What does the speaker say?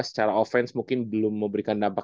secara offense mungkin belum memberikan dampak